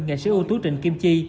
nghệ sĩ ưu tú trịnh kim chi